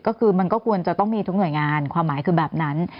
ก็คือมันก็ควรจะต้องมีทุกหน่วยงานความหมายคือแบบนั้น